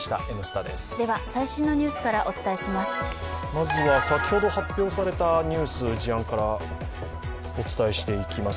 まずは先ほど発表されたニュース・事案からお伝えしていきます。